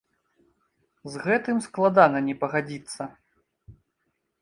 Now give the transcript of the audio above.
З гэтым складана не пагадзіцца.